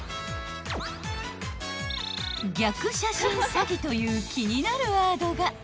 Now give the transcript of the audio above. ［「逆写真詐欺」という気になるワードが］